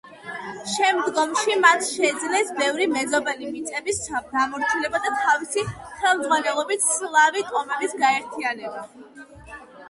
შემდგომში მათ შეძლეს ბევრი მეზობელი მიწების დამორჩილება და თავისი ხელმძღვანელობით სლავი ტომების გაერთიანება.